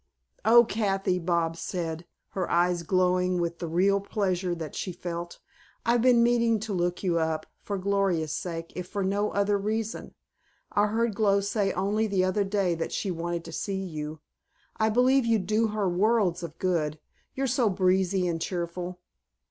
"Oh, Kathy," Bobs said, her eyes glowing with the real pleasure that she felt, "I've been meaning to look you up, for Gloria's sake, if for no other reason. I heard Glow say only the other day that she wanted to see you. I believe you'd do her worlds of good. You're so breezy and cheerful."